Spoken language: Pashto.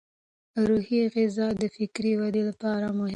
روحي غذا د فکري ودې لپاره مهمه ده.